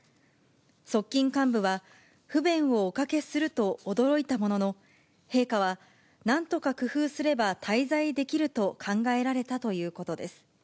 側近幹部は、不便をおかけすると驚いたものの、陛下は、なんとか工夫すれば滞在できると考えられたということです。